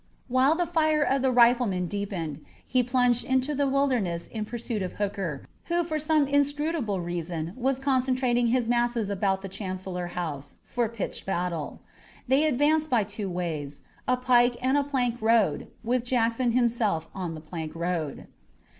While the fire of the riflemen deepened he plunged into the Wilderness in pursuit of Hooker, who for some inscrutable reason was concentrating his masses about the Chancellor House for pitched battle. They advanced by two ways, a pike and a plank road, with Jackson himself on the plank road.